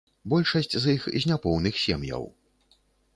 Большасць з іх з няпоўных сем'яў.